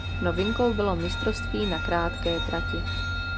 Novinkou bylo Mistrovství na krátké trati.